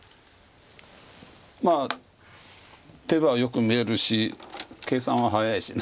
まあ手はよく見えるし計算は早いし。